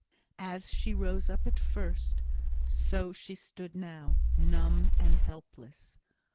As she rose up at first, so she stood now numb and helpless.